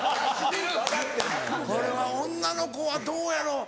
これは女の子はどうやろう？